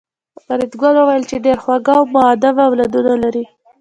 فریدګل وویل چې ډېر خواږه او مودب اولادونه لرې